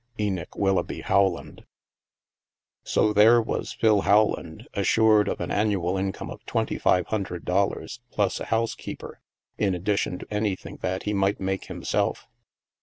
Enoch Willoughby Howland. So there was Phil Howland, assured of an annual income of twenty five hundred dollars, plus a house keeper, in addition to anything that he might make himself.